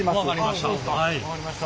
分かりました。